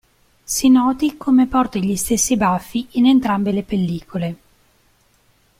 Si noti come porti gli stessi baffi in entrambe le pellicole.